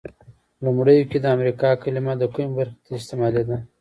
لومړیو کې د امریکا کلمه د کومې برخې ته استعمالیده؟